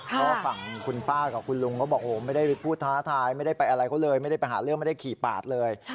เพราะฝั่งคุณป้ากับคุณลุงเขาบอกโหไม่ได้พูดท้าทายไม่ได้ไปอะไรเขาเลยไม่ได้ไปหาเรื่องไม่ได้ขี่ปาดเลย